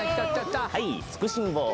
はいつくしんぼう。